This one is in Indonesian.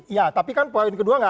ya tapi kan poin kedua nggak